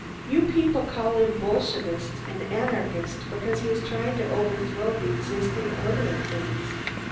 You people call him 'Bolshevist' and 'anarchist,' because he is trying to overthrow the existing order of things.